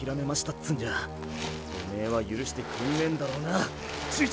つんじゃおめーは許してくんねえんだろうな寿一！